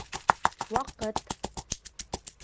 Ваҡыт!